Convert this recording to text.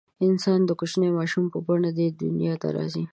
انسان د کوچني ماشوم په بڼه دې دنیا ته راځي.